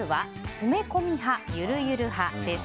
詰め込み派・ゆるゆる派です。